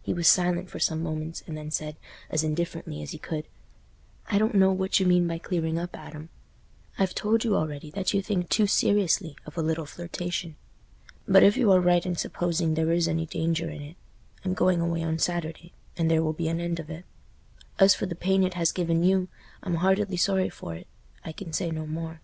He was silent for some moments, and then said, as indifferently as he could, "I don't know what you mean by clearing up, Adam. I've told you already that you think too seriously of a little flirtation. But if you are right in supposing there is any danger in it—I'm going away on Saturday, and there will be an end of it. As for the pain it has given you, I'm heartily sorry for it. I can say no more."